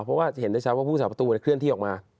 เพราะว่าเห็นได้ชัดว่าผู้สาประตูเคลื่อนที่ออกมา